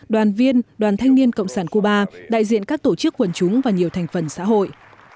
đoàn viên đoàn thanh niên cộng sản cuba đại diện các tổ chức quần chúng và nhiều thành phần xã hội